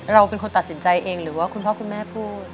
เราเป็นคนตัดสินใจเองหรือว่าคุณพ่อคุณแม่พูด